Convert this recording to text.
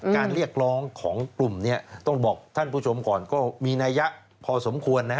เรียกร้องของกลุ่มนี้ต้องบอกท่านผู้ชมก่อนก็มีนัยยะพอสมควร